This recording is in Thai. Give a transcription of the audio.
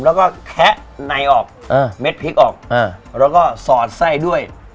แล้วก็แคะในออกเม็ดพริกออกแล้วก็สอดไส้ด้วย